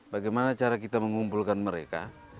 bagaimana cara kita mengumpulkan mereka